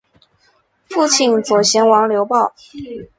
父亲左贤王刘豹。